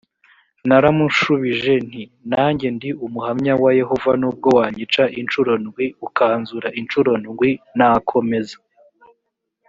naramushubije nti nanjye ndi umuhamya wa yehova nubwo wanyica incuro ndwi ukanzura incuro ndwi nakomeza